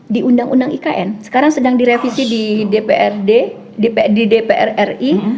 di undang undang ikn sekarang sedang direvisi di dprri